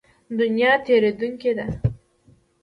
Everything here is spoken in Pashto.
دنیا تېرېدونکې ده.